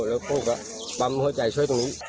แล้วพวกมันพอใจช่วยตรงนี้